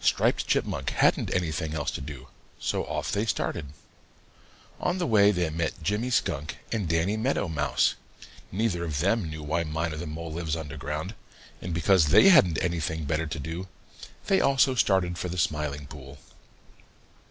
Striped Chipmunk hadn't anything else to do, so off they started. On the way they met Jimmy Skunk and Danny Meadow Mouse. Neither of them knew why Miner the Mole lives under ground, and because they hadn't anything better to do, they also started for the Smiling Pool.